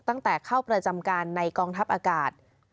ตั้งแต่เข้าประจำการในกองทัพอากาศ